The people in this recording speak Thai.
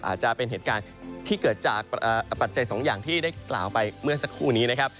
อาจจะเป็นเหตุการณ์ที่เกิดจากปัจจัยสองอย่างที่ได้กล่าวไปเมื่อสักครู่นี้นะครับ